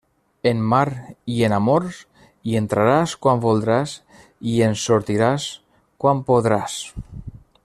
En mar i en amors, hi entraràs quan voldràs i en sortiràs quan podràs.